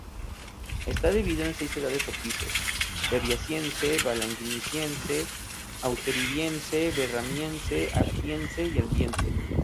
Está dividida en seis edades o pisos: Berriasiense, Valanginiense, Hauteriviense, Barremiense, Aptiense y Albiense.